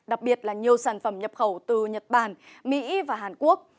đặc biệt là nhiều sản phẩm nhập khẩu từ nhật bản mỹ và hàn quốc